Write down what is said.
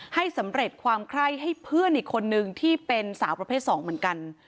ให้สำเร็จความไคร้ให้เพื่อนอีกคนนึงที่เป็นสาวประเภท๒เหมือนกัน